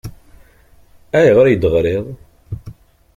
Ayɣer ay iyi-d-teɣriḍ?